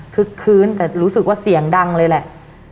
คืนแต่รู้สึกว่าเสียงดังเลยแหละ